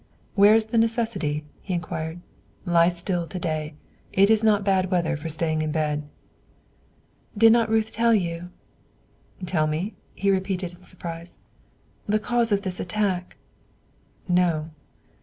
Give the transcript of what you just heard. "Where is the necessity?" he inquired. "Lie still to day; it is not bad weather for staying in bed." "Did not Ruth tell you?" "Tell me?" he repeated in surprise. "Of the cause of this attack?" "No."